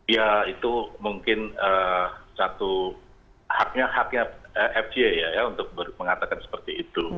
ya itu mungkin satu haknya haknya fj ya untuk mengatakan seperti itu